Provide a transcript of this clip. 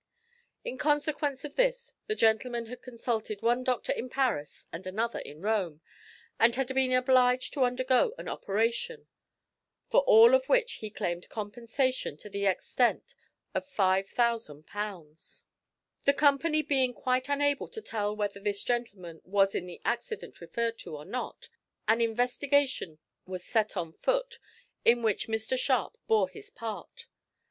In consequence of this the gentleman had consulted one doctor in Paris and another in Rome, and had been obliged to undergo an operation for all of which he claimed compensation to the extent of 5000 pounds. The company being quite unable to tell whether this gentleman was in the accident referred to or not, an investigation was set on foot, in which Mr Sharp bore his part.